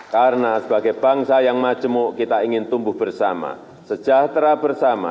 karena sebagai bangsa yang majemuk kita ingin tumbuh bersama sejahtera bersama